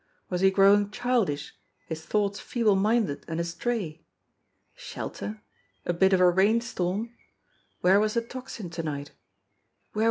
Was he growing childish, his thoughts feeble minded and astray? Shelter! A bit of a rain storm! Where was the Tocsin to night